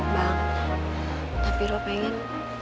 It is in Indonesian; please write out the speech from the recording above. bang tapi lo pengen